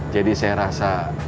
jadi saya rasa